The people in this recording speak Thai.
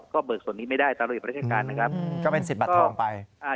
ก็เบิกส่วนนี้ไม่ได้ตั้งแต่สิทธิ์บัตรทางาน